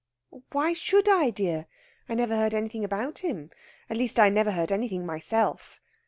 "Why should I, dear? I never heard anything about him at least, I never heard anything myself.